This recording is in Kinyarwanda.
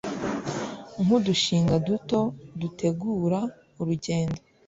nk’udushinga duto, gutegura urugendo